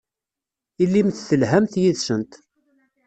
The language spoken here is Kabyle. Ilimt telhamt yid-sent.